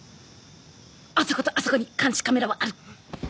あそことあそこに監視カメラはある。